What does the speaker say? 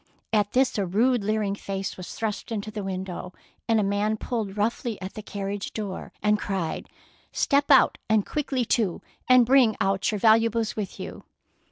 At this a rude leering face was thrust into the window, and a man pulled roughly at the carriage door and cried, —" Step out, and quickly too, and bring out your valuables with you."